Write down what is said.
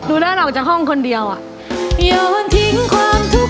ลูด้านออกจากห้องคนเดียวอ่ะ